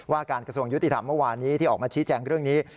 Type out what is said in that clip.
การกระทรวงยุติธรรมเมื่อวานนี้ที่ออกมาชี้แจงเรื่องนี้